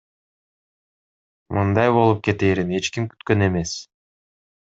Мындай болуп кетээрин эч ким күткөн эмес.